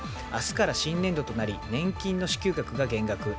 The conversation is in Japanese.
明日から新年度となり年金の支給額が減額。